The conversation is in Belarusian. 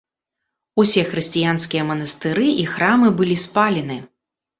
Усе хрысціянскія манастыры і храмы былі спалены.